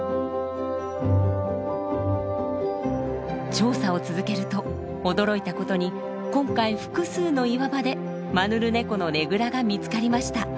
調査を続けると驚いたことに今回複数の岩場でマヌルネコのねぐらが見つかりました！